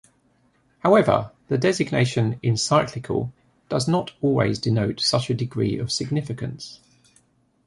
However, the designation "encyclical" does not always denote such a degree of significance.